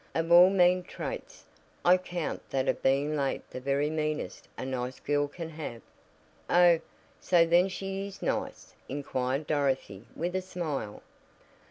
"Of all mean traits, I count that of being late the very meanest a nice girl can have." "Oh, so then she is nice?" inquired Dorothy with a smile.